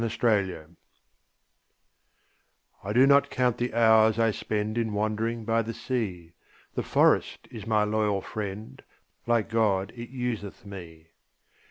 6 Autoplay I do not count the hours I spend In wandering by the sea; The forest is my loyal friend, Like God it useth me.